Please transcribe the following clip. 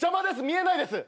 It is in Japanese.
見えないです。